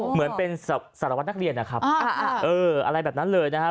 อ๋อเหมือนเป็นสารวัตน์นักเรียนนะครับอ่าอ่าเอออะไรแบบนั้นเลยนะคะ